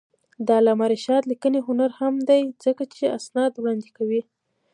د علامه رشاد لیکنی هنر مهم دی ځکه چې اسناد وړاندې کوي.